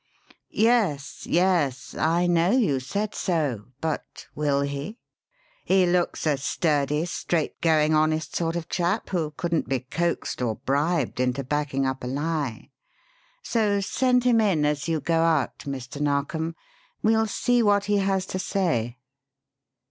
"Yes, yes, I know you said so, but will he? He looks a sturdy, straightgoing, honest sort of chap who couldn't be coaxed or bribed into backing up a lie; so send him in as you go out, Mr. Narkom; we'll see what he has to say."